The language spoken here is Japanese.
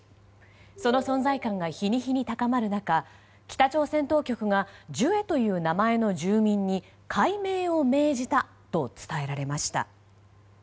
その存在感が日に日に高まる中北朝鮮当局がジュエという名前の住民に改名を命じたと伝えられました。